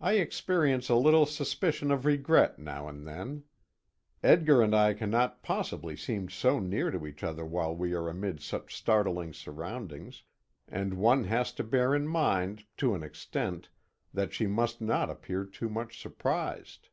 I experience a little suspicion of regret now and then. Edgar and I cannot possibly seem so near to each other while we are amid such startling surroundings, and one has to bear in mind, to an extent, that she must not appear too much surprised.